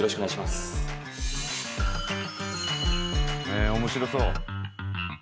「へえ面白そう」